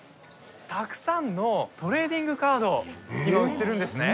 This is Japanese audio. たくさんのトレーディングカードを今、売っているんですね。